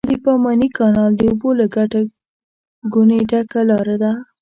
د پاماني کانال د اوبو له ګټه ګونې ډکه لاره ده.